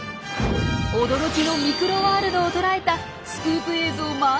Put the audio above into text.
驚きのミクロワールドを捉えたスクープ映像満載でお届けします！